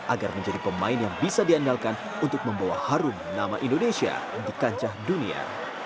agar menjadi pemain yang bisa diandalkan untuk membawa harum nama indonesia di kancah dunia